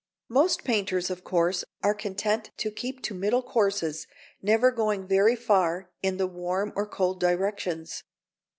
Most painters, of course, are content to keep to middle courses, never going very far in the warm or cold directions.